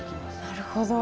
なるほど。